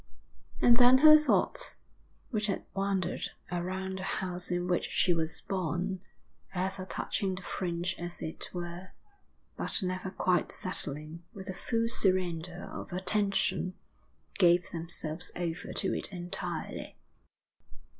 And then her thoughts, which had wandered around the house in which she was born, ever touching the fringe as it were, but never quite settling with the full surrender of attention, gave themselves over to it entirely.